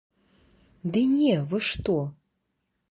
Ды не, вы што.